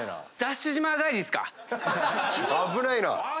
危ないな。